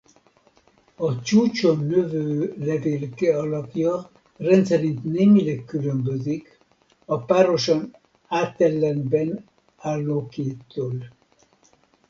A csúcson növő levélke alakja rendszerint némileg különbözik a párosan átellenben állókétól.